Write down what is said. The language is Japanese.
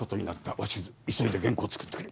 鷲津急いで原稿作ってくれ。